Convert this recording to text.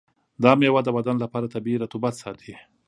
دا میوه د بدن لپاره طبیعي رطوبت ساتي.